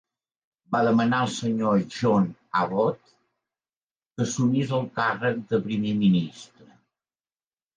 Va demanar al Sr. John Abbott que assumís el càrrec de primer ministre.